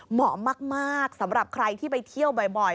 เหมาะมากสำหรับใครที่ไปเที่ยวบ่อย